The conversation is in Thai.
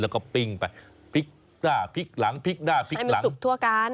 แล้วก็ปิ้งไปพริกหน้าพริกหลังพริกหน้าพริกหลังสุกทั่วกัน